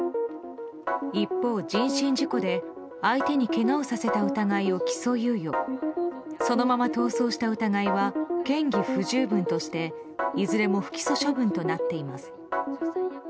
一方、人身事故で相手にけがをさせた疑いを起訴猶予そのまま逃走した疑いは嫌疑不十分としていずれも不起訴処分となっています。